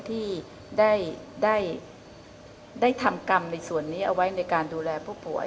ที่ได้ทำกรรมในส่วนนี้เอาไว้ในการดูแลผู้ป่วย